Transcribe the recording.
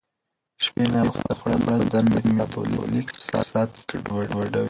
شپې ناوخته خوړل د بدن میټابولیک ساعت ګډوډوي.